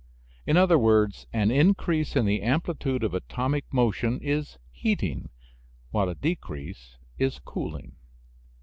In other words, an increase in the amplitude of atomic motion is heating, while a decrease is cooling.